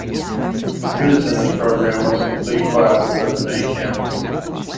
Students in this program must complete classes at the main campus.